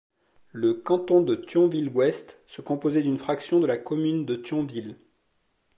Le canton de Thionville-Ouest se composait d’une fraction de la commune de Thionville.